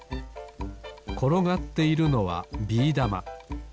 ころがっているのはビーだま。